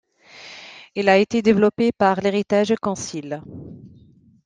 Il a été développé par l'Heritage Council.